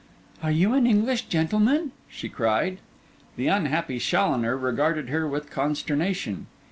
'Are you an English gentleman?' she cried. The unhappy Challoner regarded her with consternation.